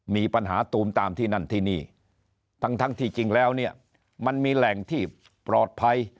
มีปัญหาตูมตามที่นั่นที่นี่ทั้งทั้งที่จริงแล้วเนี่ยมันมีแหล่งที่ปลอดภัย